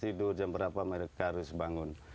tidur jam berapa mereka harus bangun